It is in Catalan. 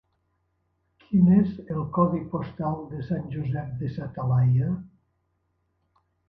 Quin és el codi postal de Sant Josep de sa Talaia?